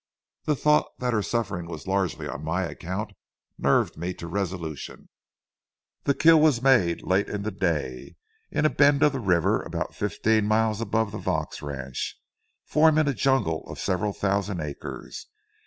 The thought that her suffering was largely on my account, nerved me to resolution. The kill was made late in the day, in a bend of the river, about fifteen miles above the Vaux ranch, forming a jungle of several thousand acres.